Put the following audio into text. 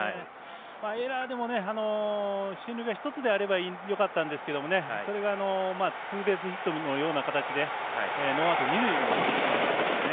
エラーでも進塁が１つであればよかったんですけどそれがツーベースヒットのような形でノーアウト、二塁になってしまいましたからね。